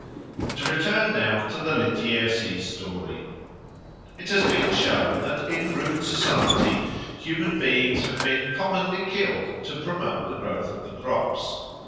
To return now to the Lityerses story. It has been shown that in rude society human beings have been commonly killed to promote the growth of the crops.